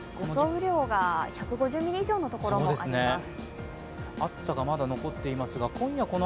雨量が１５０ミリ以上のところもあります。